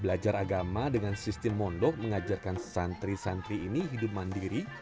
belajar agama dengan sistem mondok mengajarkan santri santri ini hidup mandiri